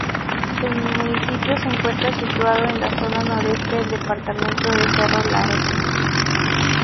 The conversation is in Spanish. El municipio se encuentra situado en la zona noroeste del departamento de Cerro Largo.